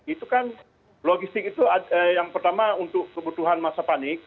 itu kan logistik itu yang pertama untuk kebutuhan masa panik